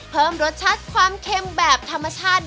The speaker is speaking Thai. เพิ่มรสชาติความเค็มแบบธรรมชาติ